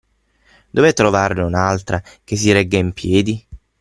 Dove trovarne un'altra, che si regga in piedi?